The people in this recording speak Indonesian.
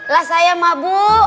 lah saya mah bu